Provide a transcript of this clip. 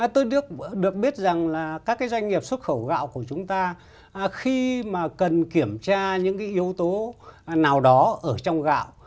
tôi được biết rằng là các doanh nghiệp xuất khẩu gạo của chúng ta khi mà cần kiểm tra những cái yếu tố nào đó ở trong gạo